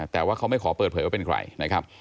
แต่ว่าเขาไม่ขอเปิดเผยว่าเป็นใครนะครับ